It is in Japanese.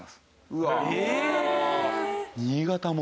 うわあ新潟も。